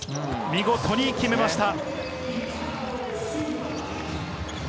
見事に決めました。